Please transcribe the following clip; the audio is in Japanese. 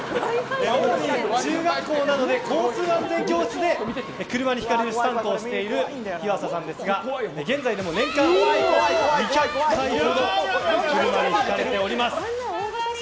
中学校などで交通安全教室で車にひかれるスタントをしている日和佐さんですが現在でも年間２００回ほど車にひかれております。